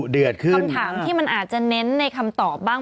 เดือดขึ้นคำถามที่มันอาจจะเน้นในคำตอบบ้าง